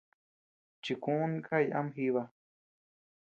Chikuʼún kay ama jiba.